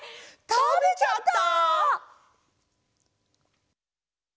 たべちゃった！